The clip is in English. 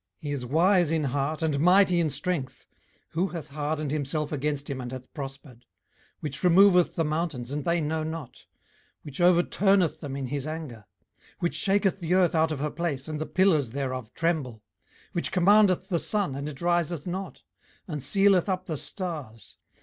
18:009:004 He is wise in heart, and mighty in strength: who hath hardened himself against him, and hath prospered? 18:009:005 Which removeth the mountains, and they know not: which overturneth them in his anger. 18:009:006 Which shaketh the earth out of her place, and the pillars thereof tremble. 18:009:007 Which commandeth the sun, and it riseth not; and sealeth up the stars.